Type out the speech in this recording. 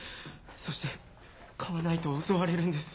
そして買わないと襲われるんです。